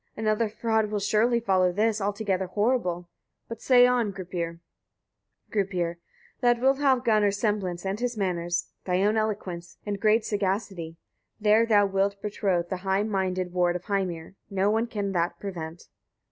Another fraud will surely follow this, altogether horrible. But say on, Gripir! Gripir. 39. Thou wilt have Gunnar's semblance, and his manners, thy own eloquence, and great sagacity: there thou wilt betroth the high minded ward of Heimir: no one can that prevent.